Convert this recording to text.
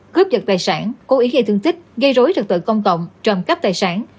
cướp dật tài sản cố ý gây thương tích gây rối trật tự công tộng trộm cắp tài sản